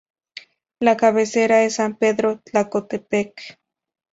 La cabecera es San Pedro Tlacotepec.